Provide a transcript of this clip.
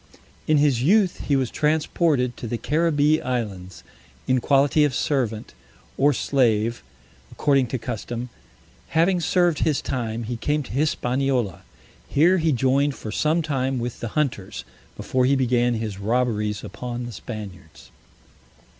In his youth he was transported to the Caribbee islands, in quality of servant, or slave, according to custom. Having served his time, he came to Hispaniola; here he joined for some time with the hunters, before he began his robberies upon the Spaniards.